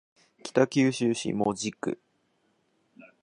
北九州市門司区